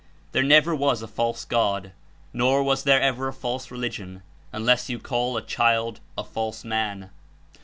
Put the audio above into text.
There never was a false God, nor was there ever a false religion, unless you call a child a false man.